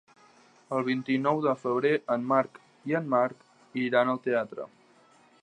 El vint-i-nou de febrer en Marc i en Marc iran al teatre.